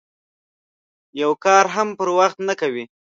یو کار هم پر وخت نه کوي.